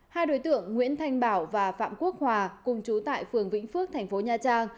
hai đối tượng nguyễn thanh bảo và phạm quốc hòa cùng chú tại phường vĩnh phước tp nha trang